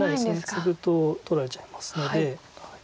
ツグと取られちゃいますので。